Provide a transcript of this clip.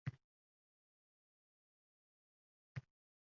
— Endi, o‘rtoq Rashidov... Men obkomga yakinda keldim, — deya manqalandi.